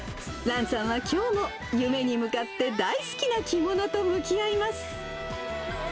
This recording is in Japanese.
蘭さんはきょうも夢に向かって、大好きな着物と向き合います。